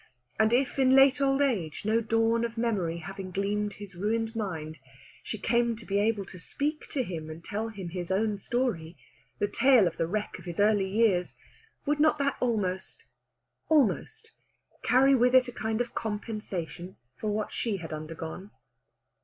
And if, in late old age, no dawn of memory having gleamed in his ruined mind, she came to be able to speak to him and tell him his own story the tale of the wreck of his early years would not that almost, almost, carry with it a kind of compensation for what she had undergone?